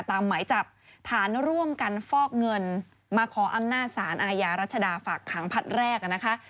หมายจับฐานร่วมกันฟอกเงินมาขออำนาจสารอาญารัชดาฝากขังผลัดแรกนะคะ